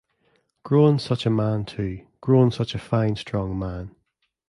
Grown such a man too, grown such a fine strong man.